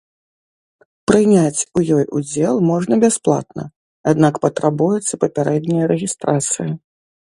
Прыняць у ёй удзел можна бясплатна, аднак патрабуецца папярэдняя рэгістрацыя.